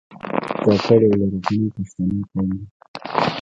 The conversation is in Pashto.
کاکړ یو لرغونی پښتنی قوم دی.